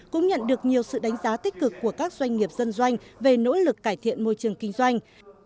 cũng nhận được nhiều sự đánh giá tích cực của các doanh nghiệp dân doanh về nỗ lực cải thiện môi trường kinh doanh